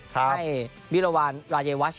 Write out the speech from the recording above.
ให้วิรวรรณรายวัช